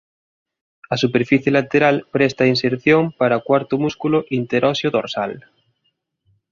A superficie lateral presta a inserción para o cuarto músculo interóseo dorsal.